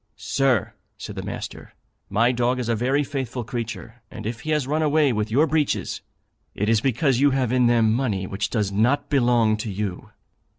'Sir,' said the master, 'my dog is a very faithful creature; and if he has run away with your breeches, it is because you have in them money which does not belong to you.'